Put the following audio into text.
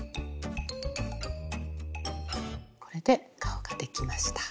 これで顔ができました。